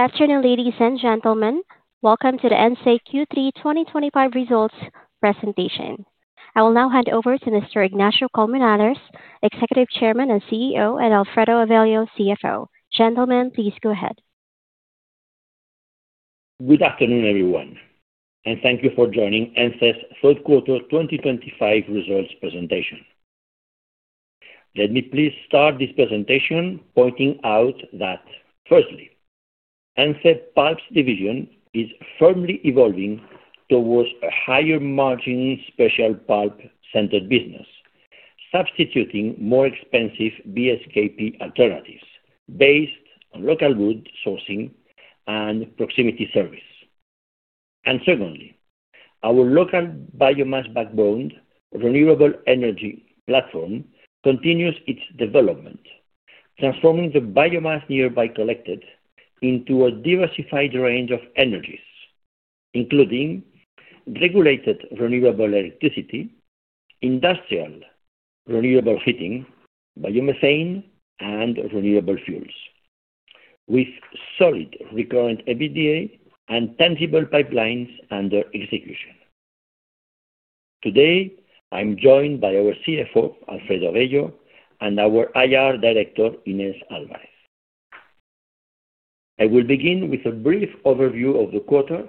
Afternoon, ladies and gentlemen. Welcome to the ENCE Energía y Celulosa Q3 2025 results presentation. I will now hand over to Mr. Ignacio de Colmenares Brunet, Executive Chairman and CEO, and Alfredo Avello de la Peña, CFO. Gentlemen, please go ahead. Good afternoon, everyone, and thank you for joining ENCE Energía y Celulosa's third quarter 2025 results presentation. Let me please start this presentation pointing out that, firstly, ENCE's pulp division is firmly evolving towards a higher margin special pulp-centered business, substituting more expensive BSKP alternatives based on local wood sourcing and proximity service. Secondly, our local biomass backbone, renewable energy platform, continues its development, transforming the biomass nearby collected into a diversified range of energies, including regulated renewable electricity, industrial renewable heating, biomethane, and renewable fuels, with solid recurrent EBITDA and tangible pipelines under execution. Today, I'm joined by our CFO, Alfredo Avello de la Peña, and our IR Director, Inés Álvarez. I will begin with a brief overview of the quarter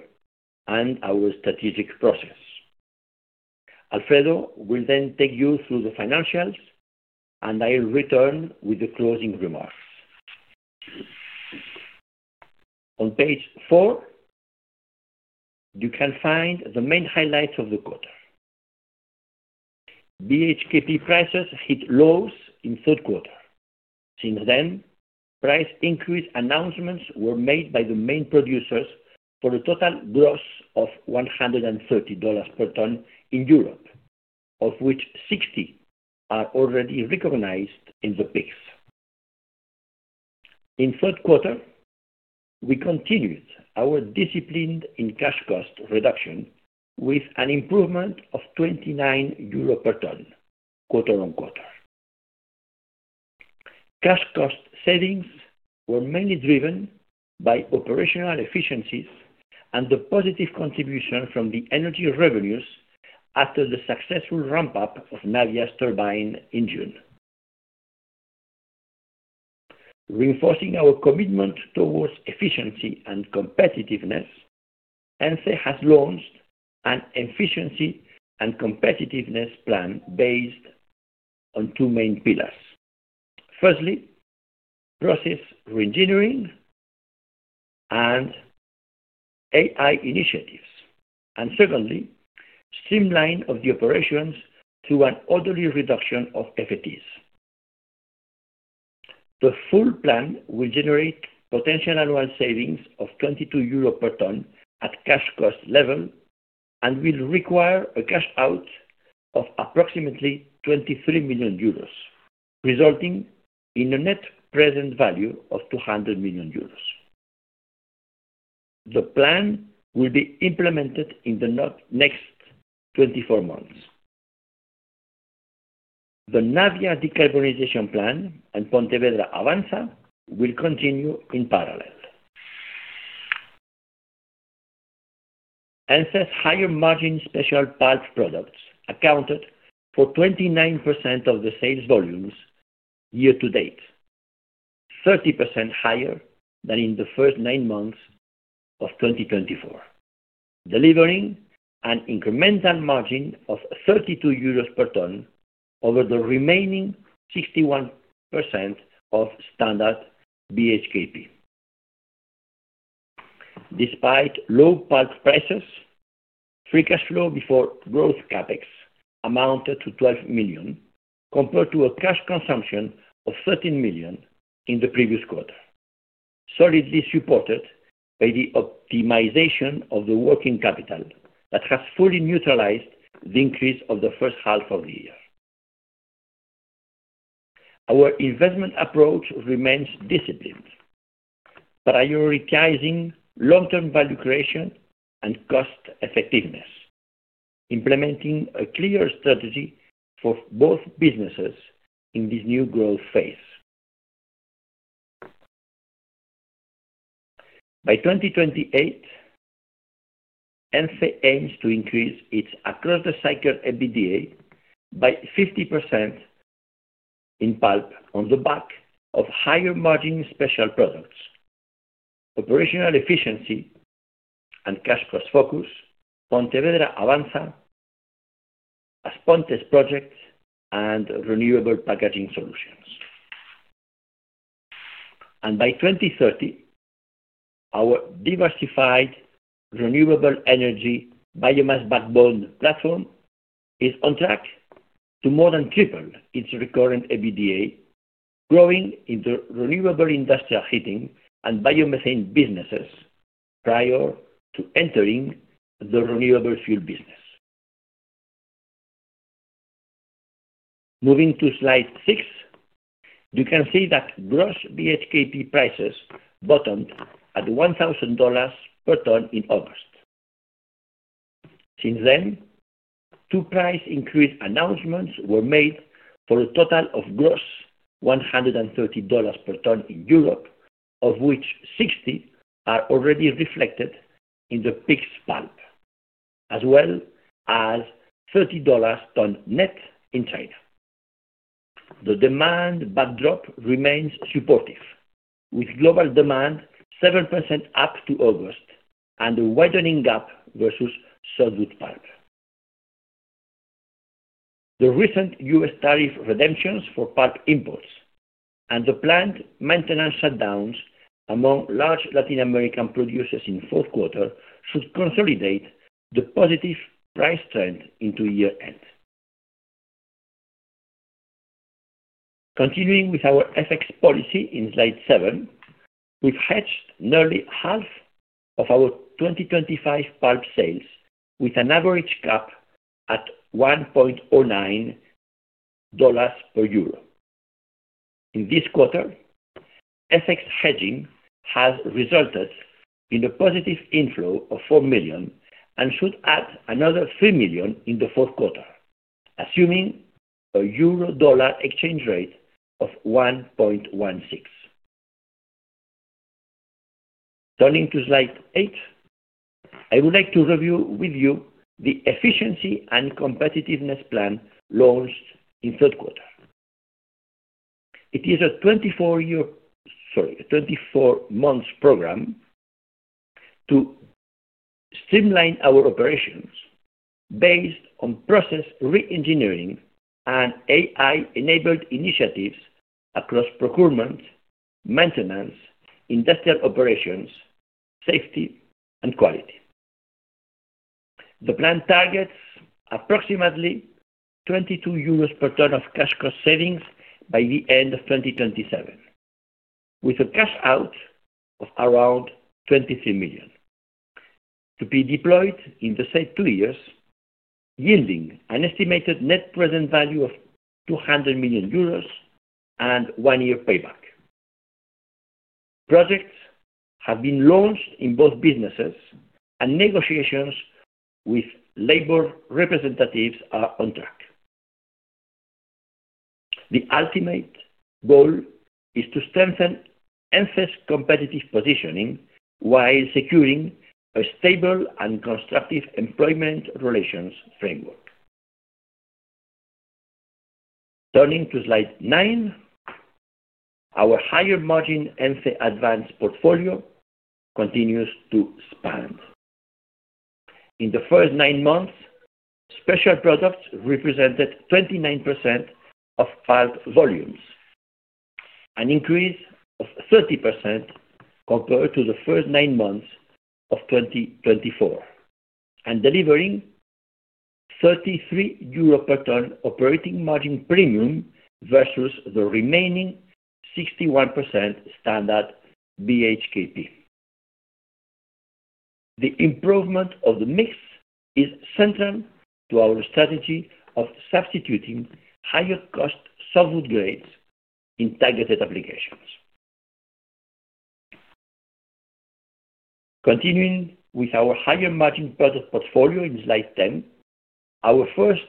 and our strategic process. Alfredo will then take you through the financials, and I'll return with the closing remarks. On page four, you can find the main highlights of the quarter. BHQP prices hit lows in the third quarter. Since then, price increase announcements were made by the main producers for a total gross of $130 per ton in Europe, of which $60 are already recognized in the picks. In the third quarter, we continued our discipline in cash cost reduction with an improvement of 29 euro per ton, quarter on quarter. Cash cost savings were mainly driven by operational efficiencies and the positive contribution from the energy revenues after the successful ramp-up of Navia's turbine in June. Reinforcing our commitment towards efficiency and competitiveness, ENCE Energía y Celulosa has launched an efficiency and competitiveness plan based on two main pillars. Firstly, process re-engineering and AI initiatives, and secondly, streamline of the operations through an orderly reduction of FTEs. The full plan will generate potential annual savings of 22 euro per ton at cash cost level and will require a cash out of approximately 23 million euros, resulting in a net present value of 200 million euros. The plan will be implemented in the next 24 months. The Navia decarbonization plan and Pontevedra Avanza will continue in parallel. ENCE's higher margin special pulp products accounted for 29% of the sales volumes year to date, 30% higher than in the first nine months of 2024, delivering an incremental margin of 32 euros per ton over the remaining 61% of standard BHQP. Despite low pulp prices, free cash flow before growth CapEx amounted to 12 million, compared to a cash consumption of 13 million in the previous quarter, solidly supported by the optimization of the working capital that has fully neutralized the increase of the first half of the year. Our investment approach remains disciplined, prioritizing long-term value creation and cost effectiveness, implementing a clear strategy for both businesses in this new growth phase. By 2028, ENCE Energía y Celulosa aims to increase its across-the-cycle EBITDA by 50% in pulp on the back of higher margin special pulp products, operational efficiency, and cash cost focus, Pontevedra Avanza as Pontevedra's project, and renewable packaging solutions. By 2030, our diversified renewable energy biomass backbone platform is on track to more than triple its recurrent EBITDA, growing into renewable industrial heating and biomethane businesses prior to entering the renewable fuel business. Moving to slide six, you can see that gross BHQP pulp prices bottomed at $1,000 per ton in August. Since then, two price increase announcements were made for a total of gross $130 per ton in Europe, of which $60 are already reflected in the fixed pulp, as well as $30 per ton net in China. The demand backdrop remains supportive, with global demand 7% up to August and a widening gap versus solid pulp. The recent U.S. tariff redemptions for pulp imports and the planned maintenance shutdowns among large Latin American producers in the fourth quarter should consolidate the positive price trend into year-end. Continuing with our FX policy in slide seven, we've hedged nearly half of our 2025 pulp sales with an average cap at $1.09 per EUR. In this quarter, FX hedging has resulted in a positive inflow of 4 million and should add another 3 million in the fourth quarter, assuming a EUR-USD exchange rate of 1.16. Turning to slide eight, I would like to review with you the efficiency and competitiveness plan launched in the third quarter. It is a 24-month program to streamline our operations based on process re-engineering and AI-enabled initiatives across procurement, maintenance, industrial operations, safety, and quality. The plan targets approximately 22 euros per ton of cash cost savings by the end of 2027, with a cash out of around 23 million to be deployed in the said two years, yielding an estimated net present value of 200 million euros and one-year payback. Projects have been launched in both businesses, and negotiations with labor representatives are on track. The ultimate goal is to strengthen ENCE Energía y Celulosa's competitive positioning while securing a stable and constructive employment relations framework. Turning to slide nine, our higher margin ENCE Advanced portfolio continues to expand. In the first nine months, special products represented 29% of pulp volumes, an increase of 30% compared to the first nine months of 2024, and delivering 33 euro per ton operating margin premium versus the remaining 61% standard BHQP. The improvement of the mix is central to our strategy of substituting higher cost solid grades in targeted applications. Continuing with our higher margin product portfolio in slide 10, our first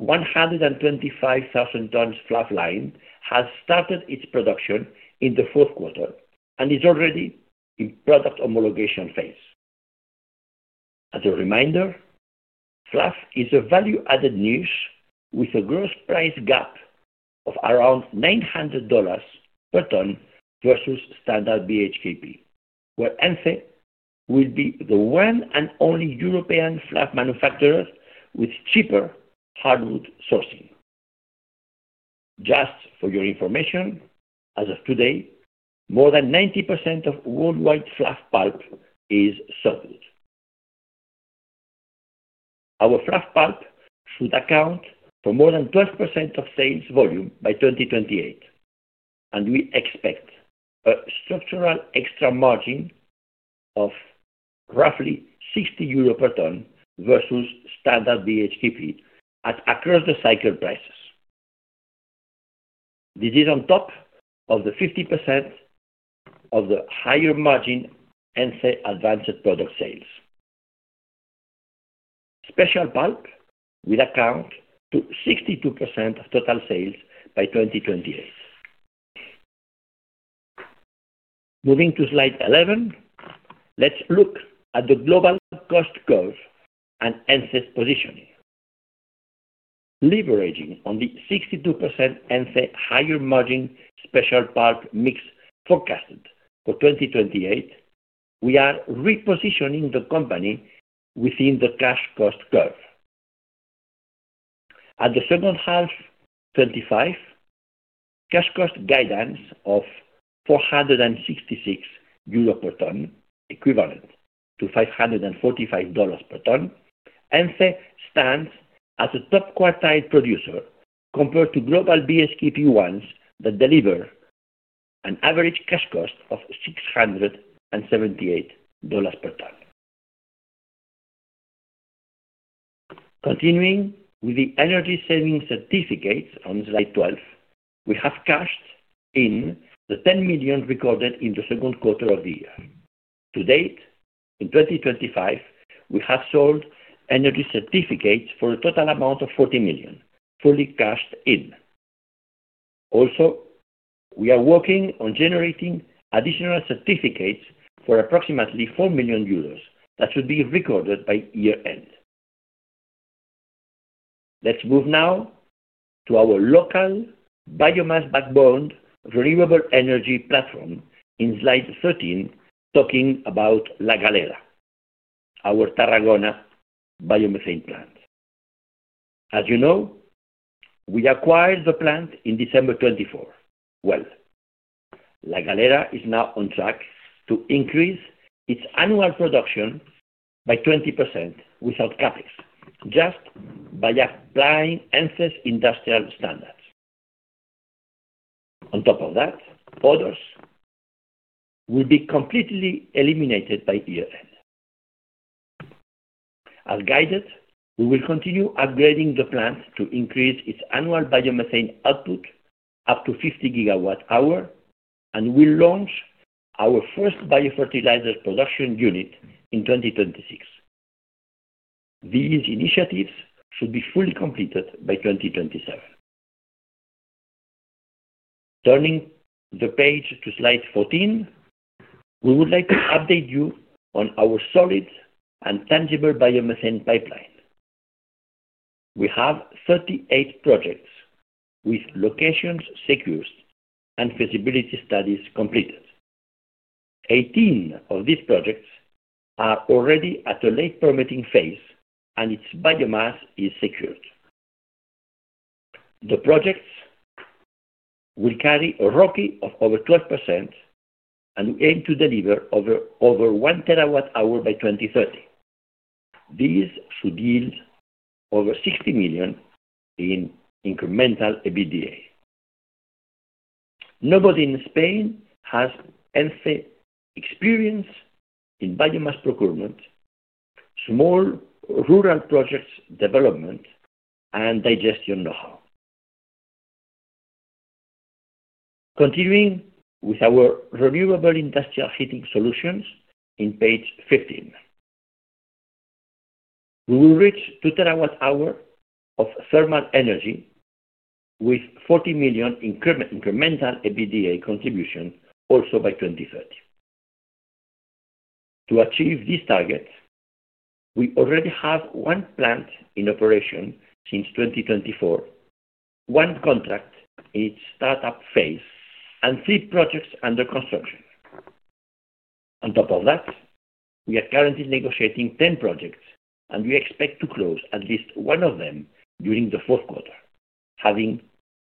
125,000 tons fluff line has started its production in the fourth quarter and is already in product homologation phase. As a reminder, flood is a value-added news with a gross price gap of around $900 per ton versus standard BHQP, where ENCE Energía y Celulosa will be the one and only European flood manufacturer with cheaper hardwood sourcing. Just for your information, as of today, more than 90% of worldwide flood pulp is solid. Our flood pulp should account for more than 12% of sales volume by 2028, and we expect a structural extra margin of roughly 60 euro per ton versus standard BHQP at across-the-cycle prices. This is on top of the 50% of the higher margin ENCE Advanced product sales. Special pulp will account to 62% of total sales by 2028. Moving to slide 11, let's look at the global cost curve and ENCE Energía y Celulosa's positioning. Leveraging on the 62% ENCE higher margin special pulp mix forecasted for 2028, we are repositioning the company within the cash cost curve. At the second half of 2025, cash cost guidance of 466 euro per ton, equivalent to $545 per ton, ENCE Energía y Celulosa stands as a top quartile producer compared to global BHQP ones that deliver an average cash cost of $678 per ton. Continuing with the energy savings certificates on slide 12, we have cashed in the 10 million recorded in the second quarter of the year. To date, in 2025, we have sold energy certificates for a total amount of 40 million, fully cashed in. Also, we are working on generating additional certificates for approximately 4 million euros that should be recorded by year-end. Let's move now to our local biomass backbone renewable energy platform in slide 13, talking about La Galera, our Tarragona biomethane plant. As you know, we acquired the plant in December 2024. La Galera is now on track to increase its annual production by 20% without CapEx, just by applying ENCE's industrial standards. On top of that, orders will be completely eliminated by year-end. As guided, we will continue upgrading the plant to increase its annual biomethane output up to 50 GWh and will launch our first biofertilizer production unit in 2026. These initiatives should be fully completed by 2027. Turning the page to slide 14, we would like to update you on our solid and tangible biomethane pipeline. We have 38 projects with locations secured and feasibility studies completed. 18 of these projects are already at a late permitting phase, and its biomass is secured. The projects will carry a ROCI of over 12% and will aim to deliver over 1 terawatt-hour by 2030. These should yield over 60 million in incremental EBITDA. Nobody in Spain has ENCE experience in biomass procurement, small rural projects development, and digestion know-how. Continuing with our renewable industrial heating solutions in page 15, we will reach 2 TWh of thermal energy with 40 million incremental EBITDA contribution also by 2030. To achieve this target, we already have one plant in operation since 2024, one contract in its startup phase, and three projects under construction. On top of that, we are currently negotiating 10 projects, and we expect to close at least one of them during the fourth quarter, having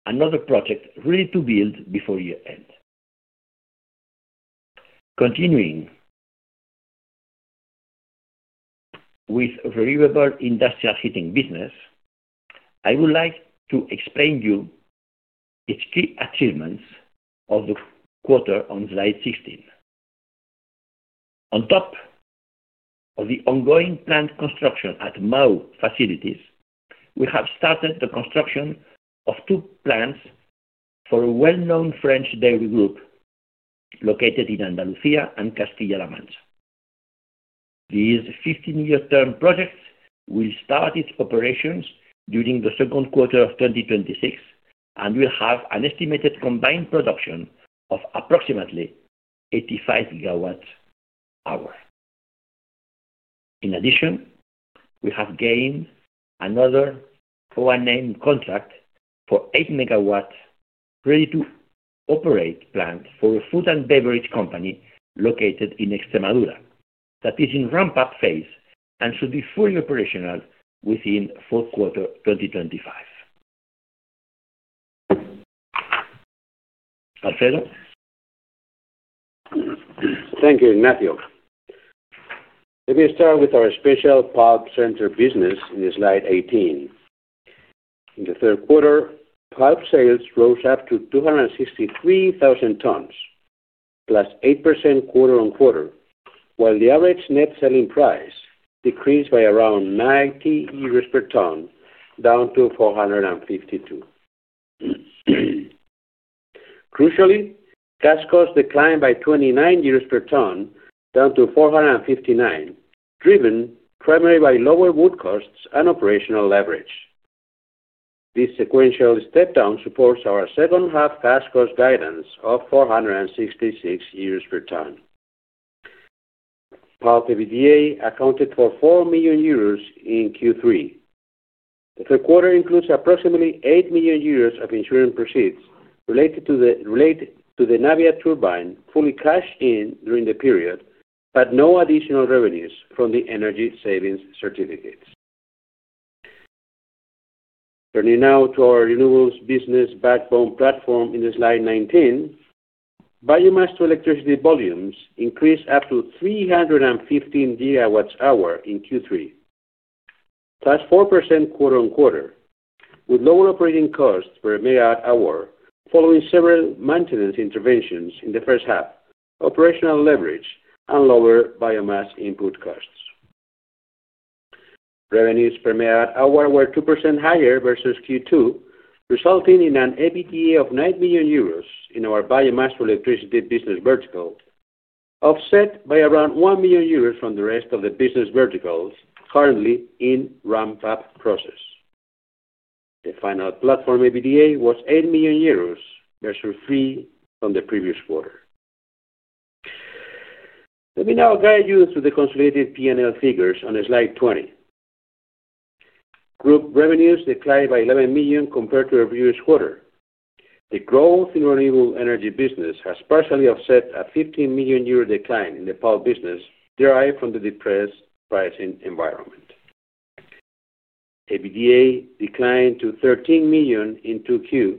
another project ready to build before year-end. Continuing with renewable industrial heating business, I would like to explain to you the key achievements of the quarter on slide 16. On top of the ongoing plant construction at MAU facilities, we have started the construction of two plants for a well-known French dairy group located in Andalucía and Castilla-La Mancha. These 15-year term projects will start its operations during the second quarter of 2026 and will have an estimated combined production of approximately 85 GWh. In addition, we have gained another co-named contract for 8MW ready-to-operate plants for a food and beverage company located in Extremadura that is in ramp-up phase and should be fully operational within fourth quarter 2025. Alfredo? Thank you, Ignacio. Let me start with our special pulp-centered business in slide 18. In the third quarter, pulp sales rose up to 263,000 tons, plus 8% quarter on quarter, while the average net selling price decreased by around 90 euros per ton, down to 452. Crucially, cash costs declined by 29 euros per ton, down to 459, driven primarily by lower wood costs and operational leverage. This sequential step-down supports our second-half cash cost guidance of 466 per ton. Pulp EBITDA accounted for 4 million euros in Q3. The third quarter includes approximately 8 million euros of insurance proceeds related to the Navia turbine, fully cashed in during the period, but no additional revenues from the energy savings certificates. Turning now to our renewables business backbone platform in slide 19, biomass to electricity volumes increased up to 315 GWh in Q3, plus 4% quarter on quarter, with lower operating costs per megawatt-hour following several maintenance interventions in the first half, operational leverage, and lower biomass input costs. Revenues per megawatt-hour were 2% higher versus Q2, resulting in an EBITDA of 9 million euros in our biomass to electricity business vertical, offset by around 1 million euros from the rest of the business verticals currently in ramp-up process. The final platform EBITDA was 8 million euros versus 3 million from the previous quarter. Let me now guide you through the consolidated P&L figures on slide 20. Group revenues declined by 11 million compared to our previous quarter. The growth in renewable energy business has partially offset a 15 million euro decline in the pulp business derived from the depressed pricing environment. EBITDA declined to 13 million in Q2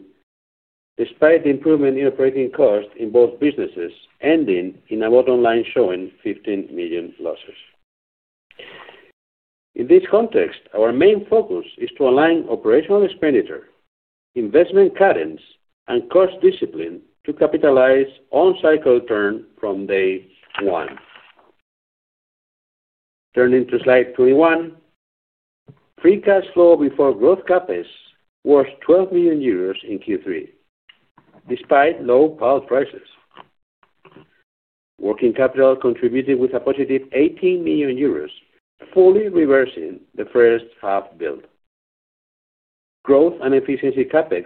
despite the improvement in operating costs in both businesses, ending in a bottom line showing 15 million losses. In this context, our main focus is to align operational expenditure, investment guidance, and cost discipline to capitalize on cycle turn from day one. Turning to slide 21, free cash flow before growth CapEx was 12 million euros in Q3, despite low pulp prices. Working capital contributed with a positive 18 million euros, fully reversing the first half bill. Growth and efficiency CapEx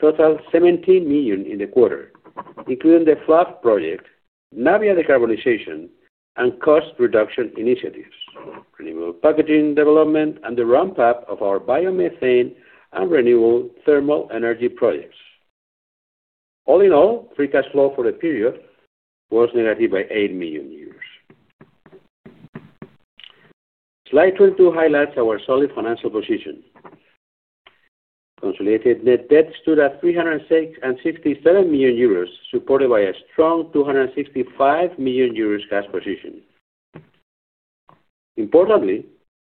totaled 17 million in the quarter, including the flood project, Navia decarbonization and cost reduction initiatives, renewable packaging development, and the ramp-up of our biomethane and renewable thermal energy projects. All in all, free cash flow for the period was negative by 8 million. Slide 22 highlights our solid financial position. Consolidated net debt stood at 367 million euros, supported by a strong 265 million euros cash position. Importantly,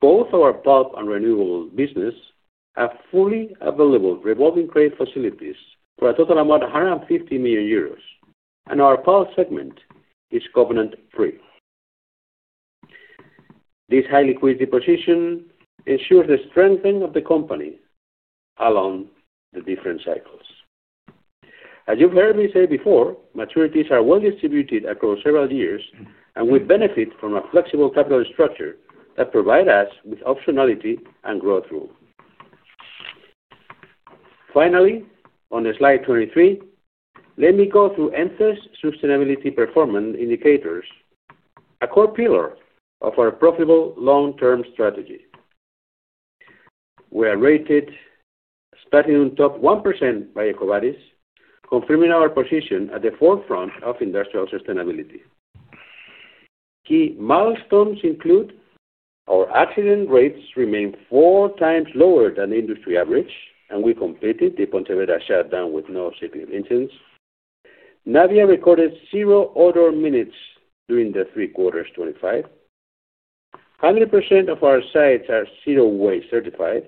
both our pulp and renewable business have fully available revolving credit facilities for a total amount of 150 million euros, and our pulp segment is covenant-free. This high liquidity position ensures the strengthening of the company along the different cycles. As you've heard me say before, maturities are well distributed across several years, and we benefit from a flexible capital structure that provides us with optionality and growth room. Finally, on slide 23, let me go through ENCE Energía y Celulosa's sustainability performance indicators, a core pillar of our profitable long-term strategy. We are rated in the top 1% by EcoVadis, confirming our position at the forefront of industrial sustainability. Key milestones include our accident rates remaining four times lower than the industry average, and we completed the Pontevedra shutdown with no severe incidents. Navia recorded zero odor minutes during the three quarters of 2025. 100% of our sites are zero waste certified.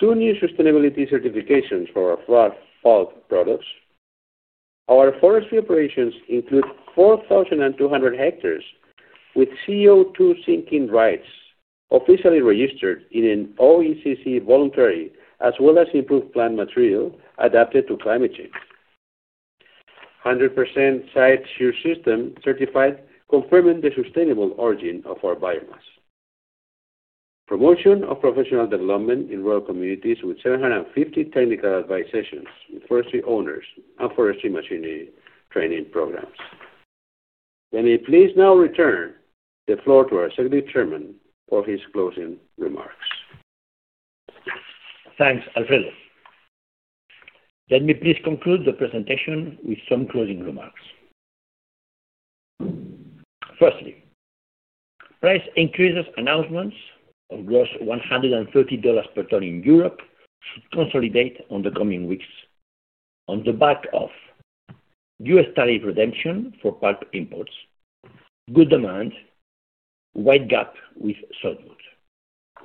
Two new sustainability certifications for our pulp products. Our forestry operations include 4,200 hectares with CO2 sinking rights officially registered in an OECC voluntary, as well as improved plant material adapted to climate change. 100% site sewer system certified, confirming the sustainable origin of our biomass. Promotion of professional development in rural communities with 750 technical advisor sessions with forestry owners and forestry machinery training programs. Let me please now return the floor to our Executive Chairman for his closing remarks. Thanks, Alfredo. Let me please conclude the presentation with some closing remarks. Firstly, price increase announcements of $130 per ton in Europe should consolidate in the coming weeks on the back of U.S. tariff redemption for pulp imports, good demand, wide gap with solid wood,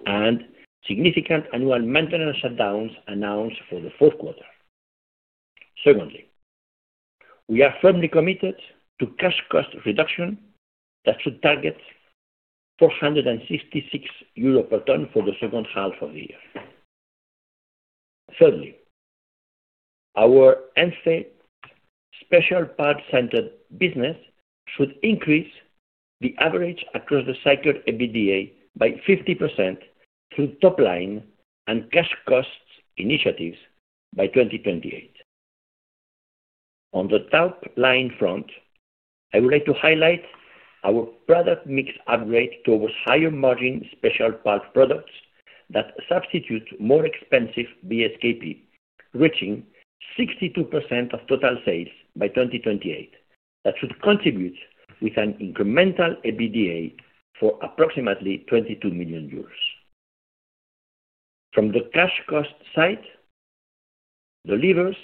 and significant annual maintenance shutdowns announced for the fourth quarter. Secondly, we are firmly committed to cash cost reduction that should target 466 euro per ton for the second half of the year. Thirdly, our ENCE Energía y Celulosa special pulp-centered business should increase the average across the cycle EBITDA by 50% through top line and cash cost initiatives by 2028. On the top line front, I would like to highlight our product mix upgrade towards higher margin special pulp products that substitute more expensive BSKP, reaching 62% of total sales by 2028, that should contribute with an incremental EBITDA of approximately 22 million euros. From the cash cost side, the levers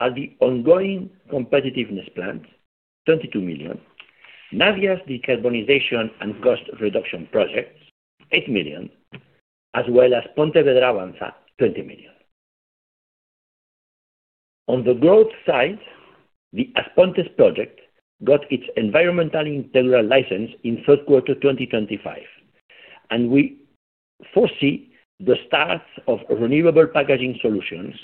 are the ongoing competitiveness plan, 22 million, Navia's decarbonization and cost reduction project, 8 million, as well as Pontevedra Avanza, 20 million. On the growth side, the Aspontes project got its environmentally integral license in third quarter 2025, and we foresee the start of renewable packaging solutions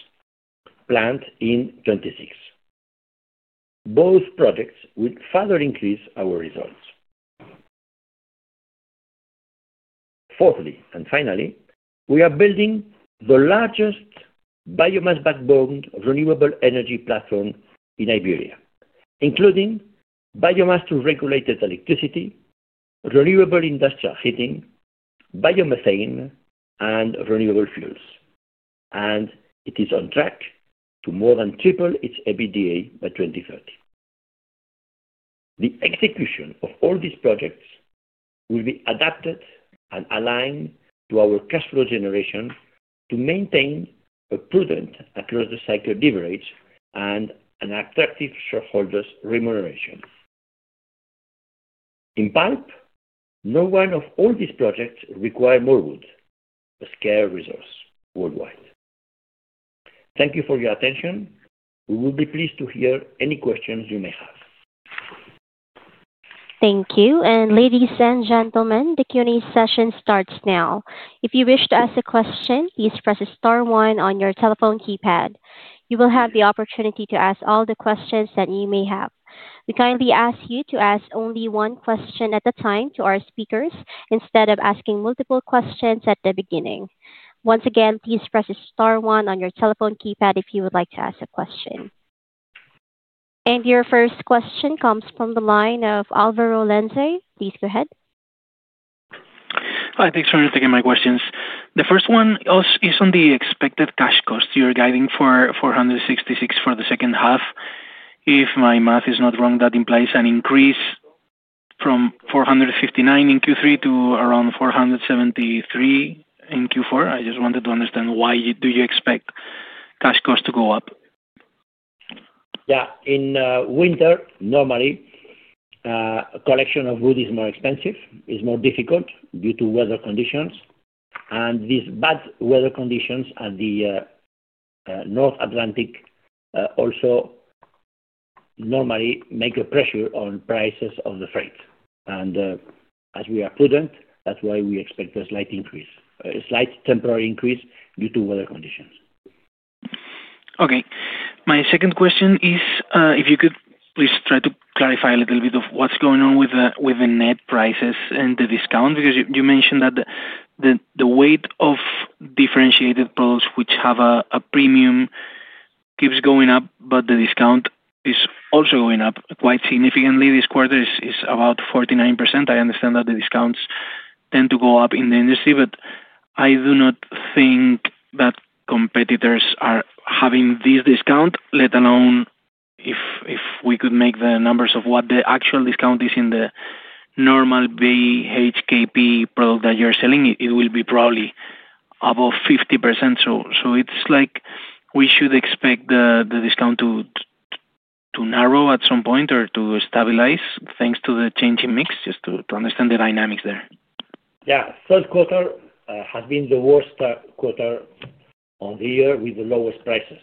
planned in 2026. Both projects would further increase our results. Fourthly, and finally, we are building the largest biomass backbone renewable energy platform in Iberia, including biomass to regulated electricity, renewable industrial heating, biomethane, and renewable fuels, and it is on track to more than triple its EBITDA by 2030. The execution of all these projects will be adapted and aligned to our cash flow generation to maintain a prudent across-the-cycle delivery rate and an attractive shareholders' remuneration. In pulp, none of all these projects requires more wood, a scarce resource worldwide. Thank you for your attention. We will be pleased to hear any questions you may have. Thank you. Ladies and gentlemen, the Q&A session starts now. If you wish to ask a question, please press *1 on your telephone keypad. You will have the opportunity to ask all the questions that you may have. We kindly ask you to ask only one question at a time to our speakers instead of asking multiple questions at the beginning. Once again, please press *1 on your telephone keypad if you would like to ask a question. Your first question comes from the line of Alvaro Lence. Please go ahead. Hi. Thanks for taking my questions. The first one is on the expected cash cost. You're guiding for 466 for the second half. If my math is not wrong, that implies an increase from 459 in Q3-around 473 in Q4. I just wanted to understand why do you expect cash costs to go up? Yeah. In winter, normally, a collection of wood is more expensive. It's more difficult due to weather conditions, and these bad weather conditions at the North Atlantic also normally make a pressure on prices of the freight. As we are prudent, that's why we expect a slight increase, a slight temporary increase due to weather conditions. Okay. My second question is if you could please try to clarify a little bit of what's going on with the net prices and the discount, because you mentioned that the weight of differentiated products which have a premium keeps going up, but the discount is also going up quite significantly this quarter. It's about 49%. I understand that the discounts tend to go up in the industry, but I do not think that competitors are having this discount, let alone if we could make the numbers of what the actual discount is in the normal BHQP pulp that you're selling. It will be probably above 50%. It's like we should expect the discount to narrow at some point or to stabilize thanks to the changing mix, just to understand the dynamics there. First quarter has been the worst quarter of the year with the lowest prices.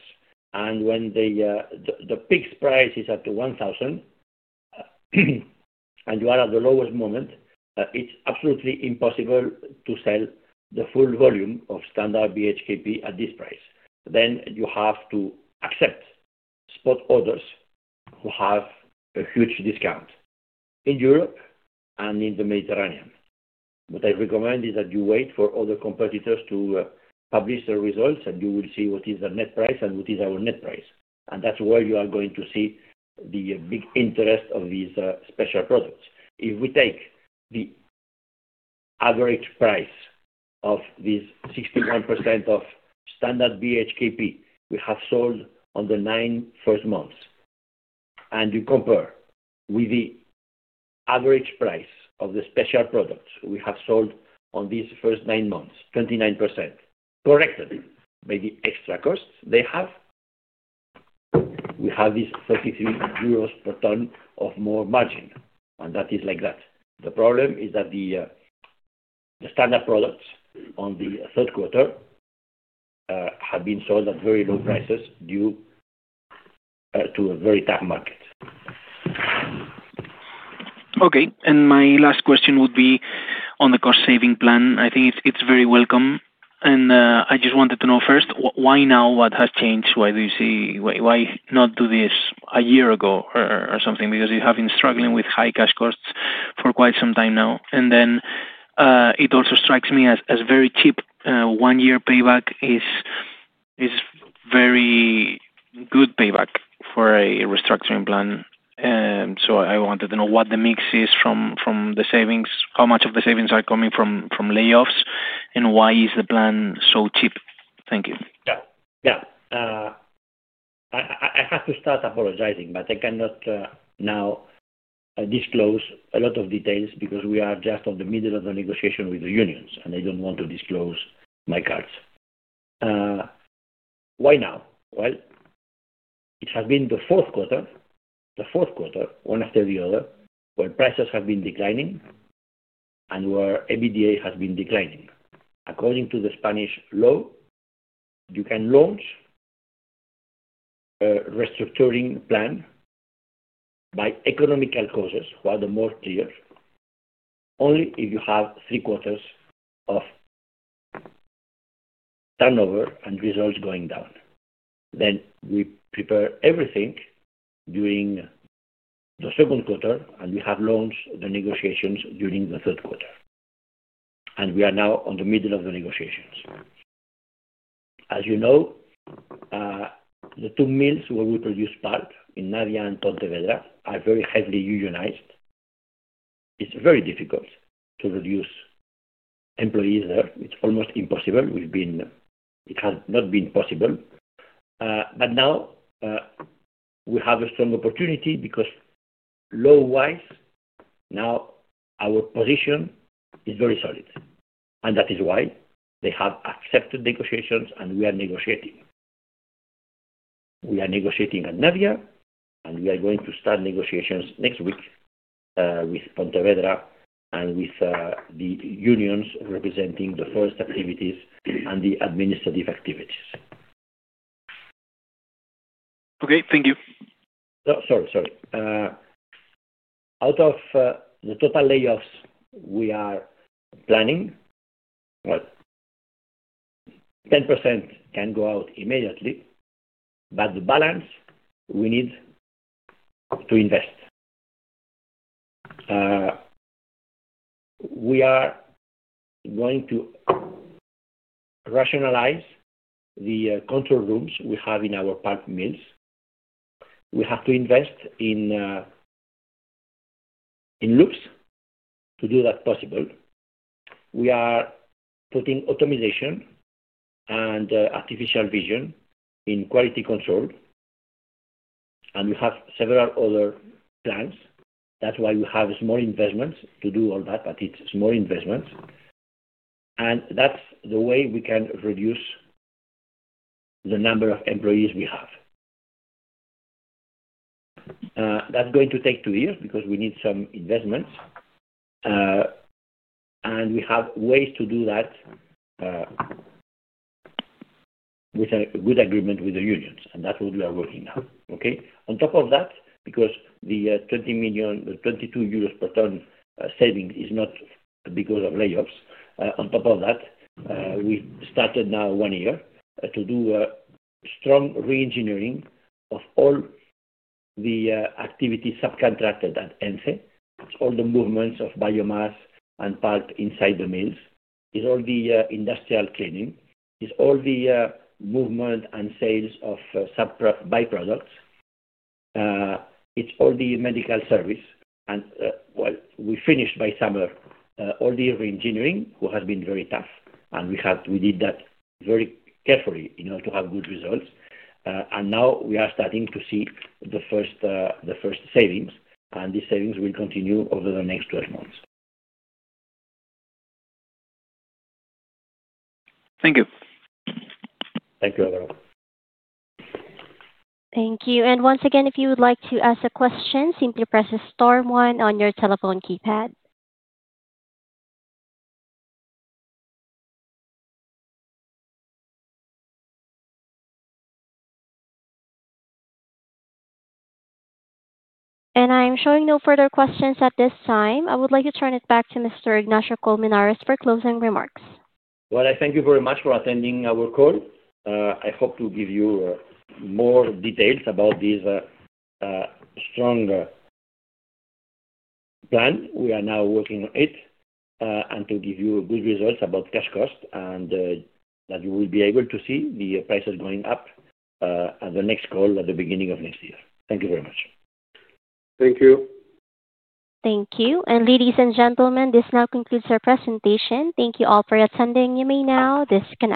When the fixed price is at 1,000 and you are at the lowest moment, it's absolutely impossible to sell the full volume of standard BHQP at this price. You have to accept spot orders which have a huge discount in Europe and in the Mediterranean. What I recommend is that you wait for other competitors to publish their results, and you will see what is the net price and what is our net price. That's where you are going to see the big interest of these special products. If we take the average price of this 61% of standard BHQP we have sold in the first nine months, and you compare with the average price of the special products we have sold in these first nine months, 29% corrected by the extra costs they have, we have this 33 euros per ton of more margin. That is like that. The problem is that the standard products in the third quarter have been sold at very low prices due to a very tough market. Okay. My last question would be on the cost-saving plan. I think it's very welcome. I just wanted to know first why now, what has changed? Why do you see why not do this a year ago or something? You have been struggling with high cash costs for quite some time now. It also strikes me as very cheap. One-year payback is very good payback for a restructuring plan. I wanted to know what the mix is from the savings, how much of the savings are coming from layoffs, and why is the plan so cheap? Thank you. Yeah. I have to start apologizing, but I cannot now disclose a lot of details because we are just in the middle of the negotiation with the unions, and I don't want to disclose my cards. Why now? It has been the fourth quarter, the fourth quarter, one after the other, where prices have been declining and where EBITDA has been declining. According to the Spanish law, you can launch a restructuring plan by economical causes who are the most clear, only if you have three quarters of turnover and results going down. We prepared everything during the second quarter, and we have launched the negotiations during the third quarter. We are now in the middle of the negotiations. As you know, the two mills where we produce pulp, in Navia and Pontevedra, are very heavily unionized. It's very difficult to reduce employees there. It's almost impossible. It has not been possible. Now we have a strong opportunity because law-wise, now our position is very solid. That is why they have accepted negotiations, and we are negotiating. We are negotiating at Navia, and we are going to start negotiations next week with Pontevedra and with the unions representing the forest activities and the administrative activities. Okay. Thank you. Out of the total layoffs we are planning, 10% can go out immediately, but the balance we need to invest. We are going to rationalize the control rooms we have in our pulp mills. We have to invest in loops to do that possible. We are putting automation and artificial vision in quality control, and we have several other plans. That's why we have small investments to do all that, but it's small investments. That's the way we can reduce the number of employees we have. That's going to take two years because we need some investments, and we have ways to do that with a good agreement with the unions. That's what we are working now. On top of that, because the 22 euros per ton savings is not because of layoffs, on top of that, we started now one year to do a strong re-engineering of all the activities subcontracted at ENCE Energía y Celulosa. It's all the movements of biomass and pulp inside the mills. It's all the industrial cleaning. It's all the movement and sales of byproducts. It's all the medical service. We finished by summer all the re-engineering, which has been very tough. We did that very carefully in order to have good results. Now we are starting to see the first savings, and these savings will continue over the next 12 months. Thank you. Thank you, Álvarez. Thank you. If you would like to ask a question, simply press star one on your telephone keypad. I am showing no further questions at this time. I would like to turn it back to Mr. Ignacio de Colmenares Brunet for closing remarks. Thank you very much for attending our call. I hope to give you more details about this strong plan. We are now working on it, and to give you good results about cash costs and that you will be able to see the prices going up at the next call at the beginning of next year. Thank you very much. Thank you. Thank you. Ladies and gentlemen, this now concludes our presentation. Thank you all for attending. You may now disconnect.